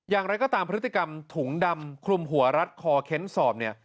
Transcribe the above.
อย่างไรก็ตามพฤติกรรมถุงดำคลุมหัวรัดคอเค้นสอบเนี่ย